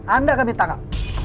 anda yang minta kak